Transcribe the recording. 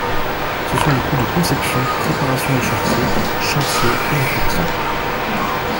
Ce sont les coûts de conception, préparation des chantiers, chantiers et entretient.